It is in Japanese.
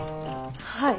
はい。